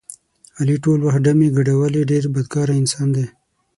علي ټول وخت ډمې ګډولې ډېر بدکاره انسان دی.